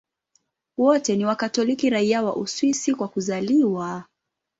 Wote ni Wakatoliki raia wa Uswisi kwa kuzaliwa.